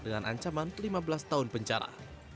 dengan ancaman lima belas tahun penjara